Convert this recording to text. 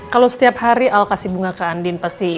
kalau setiap hari al kasih bunga ke andin pasti